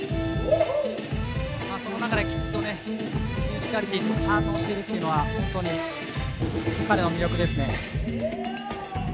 その中できちっとねミュージカリティー反応してるっていうのは本当に彼の魅力ですね。